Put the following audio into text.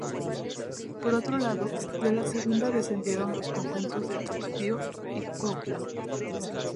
Por otro lado, de la Segunda descendieron los conjuntos de Tapatío y Cuautla.